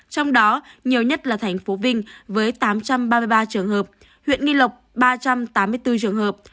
trong đó nhiều nhất là thành phố vinh với tám trăm ba mươi ba trường hợp huyện nghi lộc ba trăm tám mươi bốn trường hợp